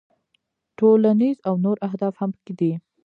ټولنیز او نور اهداف هم پکې دي.